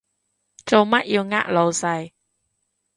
做乜要呃老細？